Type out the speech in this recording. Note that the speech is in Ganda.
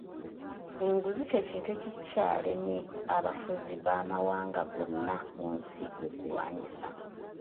Enguzi ky’ekintu ekikyalemye abafuzi bamawanga gonna mu nsi okulwanyisa.